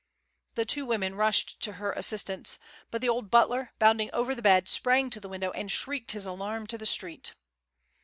The two women rushed to her assistance, but the old butler, bounding over the bed, sprang to the window, and shrieked his alarm to the street.